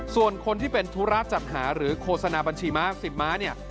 ส่วนคนที่เป็นธุระจัดหาหรือโฆษณาบัญชีม้าสิบม้าเนี่ย